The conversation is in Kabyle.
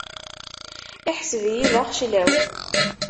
Iḥseb-iyi d axeclaw.